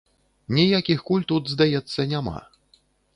Ніякіх куль тут, здаецца, няма.